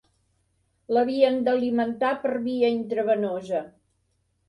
L'havien d'alimentar per via intravenosa.